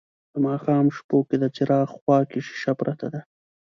د ماښام شپو کې د څراغ خواکې شیشه پرته ده